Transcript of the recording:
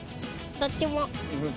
どっちも。